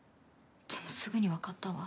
でもすぐにわかったわ。